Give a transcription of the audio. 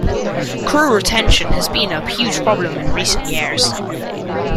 Crew retention has been a huge problem in recent years.